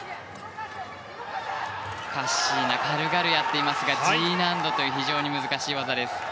カッシーナ軽々やっていますがＧ難度という非常に難しい技です。